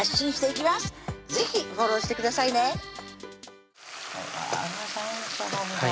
是非フォローしてくださいねうわ